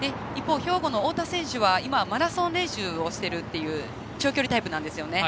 兵庫の太田選手は今、マラソン練習をしてるという長距離タイプなんです。